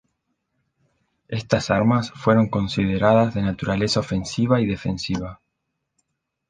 Estas armas fueron consideradas de naturaleza ofensiva y defensiva.